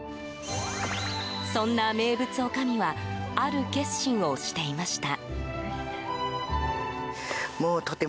そんな名物女将はある決心をしていました。